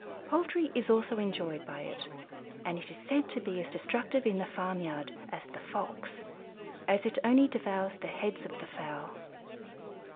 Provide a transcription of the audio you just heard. Poultry is also enjoyed by it, and it is said to be as destructive in the farm yard as the Fox, as it only devours the heads of the fowl.